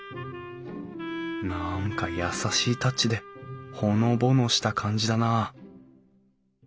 何か優しいタッチでほのぼのした感じだなあ